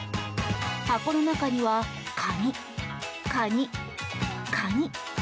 箱の中にはカニ、カニ、カニ！